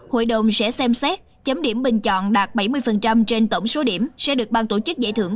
hội đồng sẽ xem xét chấm điểm bình chọn đạt bảy mươi trên tổng số điểm sẽ được ban tổ chức giải thưởng